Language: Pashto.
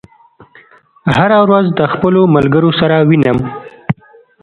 هره ورځ د خپلو ملګرو سره وینم.